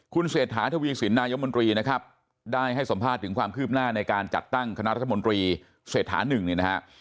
คุณเศรษฐาทวีสินนายมนตรีนะครับได้ให้สัมภาษณ์ถึงความคืบหน้าในการจัดตั้งคณะรัฐมนตรีเศรษฐานึงเนี่ยนะฮะ